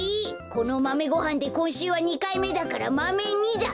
このマメごはんでこんしゅうは２かいめだからマメ２だ！